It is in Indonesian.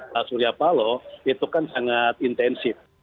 pak suryapalo itu kan sangat intensif